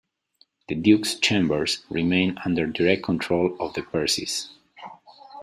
The Duke's Chambers remained under direct control of the Percys.